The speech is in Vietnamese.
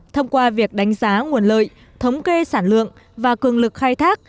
thông qua việc đánh giá nguồn lợi thống kê sản lượng và cường lực khai thác